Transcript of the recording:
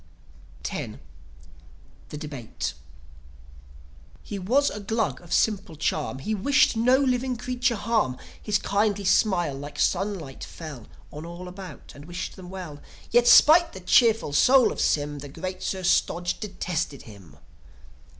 X. THE DEBATE He was a Glug of simple charm; He wished no living creature harm. His kindly smile like sunlight fell On all about, and wished them well. Yet, 'spite the cheerful soul of Sym, The great Sir Stodge detested him.